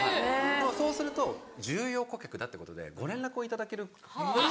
そうすると重要顧客だってことでご連絡を頂けることが。